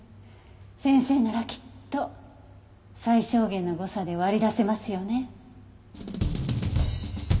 先生ならきっと最小限の誤差で割り出せますよね？